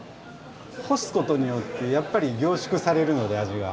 干すことによってやっぱり凝縮されるので味が。